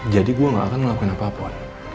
jadi saya nggak akan melakukan apa apa